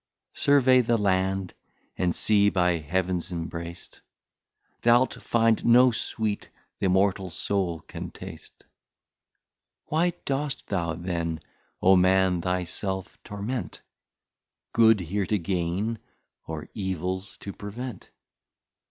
Surveigh the Land and Sea by Heavens embrac't, Thou'lt find no sweet th'Immortal Soul can tast: Why dost thou then, O Man! thy self torment Good here to gain, or Evils to prevent?